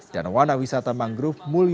dan warna wisata mangrove menarik